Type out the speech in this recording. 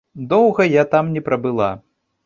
Доўга я там не прабыла.